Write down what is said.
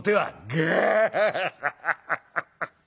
「ガハハハハッ。